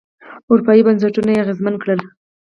اروپايي بنسټونه یې اغېزمن کړل.